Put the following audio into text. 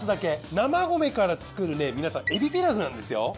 生米から作るね皆さんエビピラフなんですよ。